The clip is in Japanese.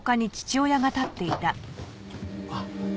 あっ。